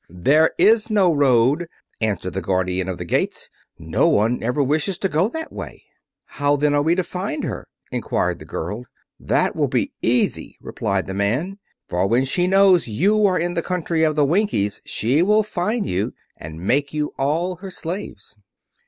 "There is no road," answered the Guardian of the Gates. "No one ever wishes to go that way." "How, then, are we to find her?" inquired the girl. "That will be easy," replied the man, "for when she knows you are in the country of the Winkies she will find you, and make you all her slaves."